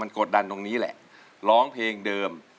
กดดันตรงนี้แหละร้องเพลงเดิม